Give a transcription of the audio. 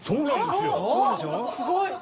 すごい！